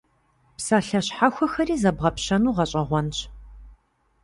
Псалъэ щхьэхуэхэри зэбгъэпщэну гъэщӀэгъуэнщ.